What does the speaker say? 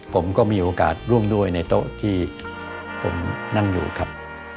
ผมก็มีโอกาสร่วมด้วยในโต๊ะที่ผมนั่งอยู่ครับ